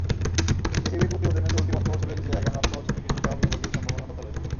এডিবির প্রতিবেদনে চলতি অর্থবছরের চেয়ে আগামী অর্থবছরে কিছুটা অগ্রগতির সম্ভাবনার কথা রয়েছে।